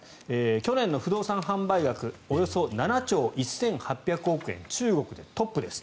去年の不動産販売額およそ７兆１８００億円で中国でトップです。